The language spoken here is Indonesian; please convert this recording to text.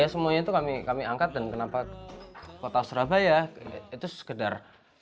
semuanya itu kami angkat dan kenapa kota surabaya itu sekedar